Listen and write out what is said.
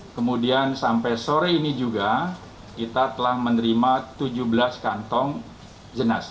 kemudian sampai sore ini juga kita telah menerima tujuh belas kantong jenazah